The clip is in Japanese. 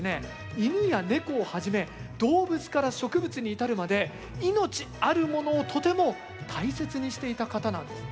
犬や猫をはじめ動物から植物に至るまで命あるものをとても大切にしていた方なんです。